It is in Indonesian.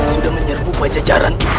sudah menyerbu pada jajaran kita